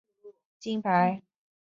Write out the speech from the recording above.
累积分数最高的选手将得到金牌。